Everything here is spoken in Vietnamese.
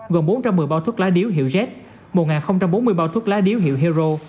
gồm bốn trăm một mươi bao thuốc lá điếu hiệu z một bốn mươi bao thuốc lá điếu hiệu hero